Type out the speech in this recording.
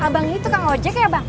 eh abang itu kak ngajak ya bang